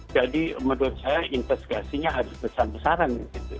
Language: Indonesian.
jadi menurut saya investigasinya harus besar besaran